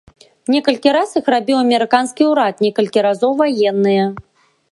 Некалькі раз іх рабіў амерыканскі ўрад, некалькі разоў ваенныя.